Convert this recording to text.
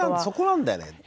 そこなんだよね。